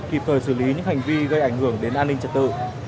kịp thời xử lý những hành vi gây ảnh hưởng đến an ninh trật tự